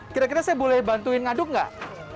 kira kira saya boleh bantuin ngaduk nggak